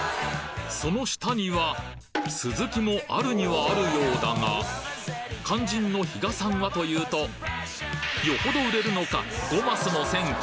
その下には鈴木もあるにはあるようだが肝心の比嘉さんはというとよほど売れるのか５マスも占拠！